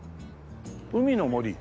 海の森。